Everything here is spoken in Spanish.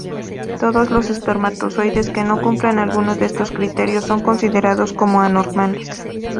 Todos los espermatozoides que no cumplan alguno de estos criterios son considerados como anormales.